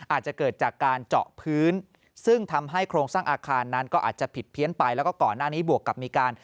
อาจจะเกิดจากการเจาะพื้นซึ่งทำให้โครงสร้างอาคารนั้นก็อาจจะผิดเพี้ยนไปแล้วก็ก่อนหน้านี้บวกกับมีการ